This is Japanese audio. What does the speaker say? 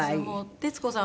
徹子さん